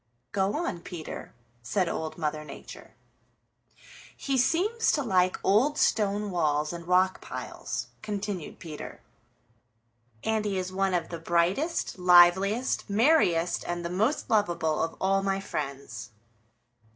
"Go on, Peter," said Old Mother Nature. "He seems to like old stone walls and rock piles," continued Peter, "and he is one of the brightest, liveliest, merriest and the most lovable of all my friends."